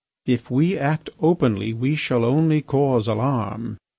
If we act openly we shall only cause alarm.